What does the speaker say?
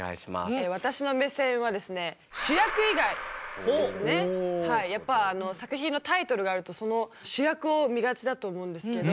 私の目線はですねやっぱ作品のタイトルがあるとその主役を見がちだと思うんですけど